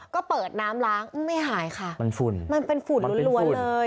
ก็เปิดน้ำล้างไม่หายค่ะมันฝุ่นมันเป็นฝุ่นล้วนเลย